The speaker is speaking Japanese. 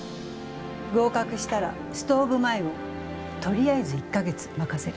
合格したらストーブ前をとりあえず１か月任せる。